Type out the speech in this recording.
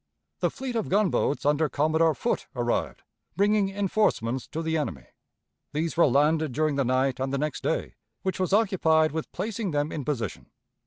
The fleet of gunboats under Commodore Foote arrived, bringing enforcements to the enemy. These were landed during the night and the next day, which was occupied with placing them in position.